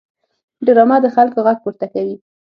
ډرامه د خلکو غږ پورته کوي